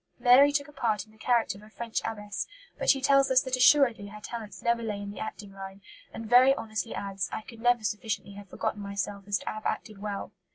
Mary took a part in the character of a French abbess, but she tells us that "assuredly" her talents never lay in the acting line, and very honestly adds: "I could never sufficiently have forgotten myself as to have acted well."